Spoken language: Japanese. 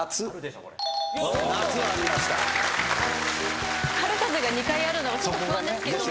『夏』『春風』が２回あるのがちょっと不安ですけど。